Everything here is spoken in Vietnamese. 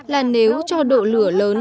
là nếu cho độ lửa lớn